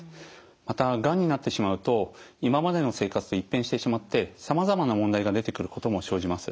またがんになってしまうと今までの生活と一変してしまってさまざまな問題が出てくることも生じます。